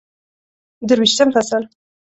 درویشتم فصل